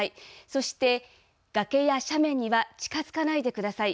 そして、崖や斜面には近づかないでください。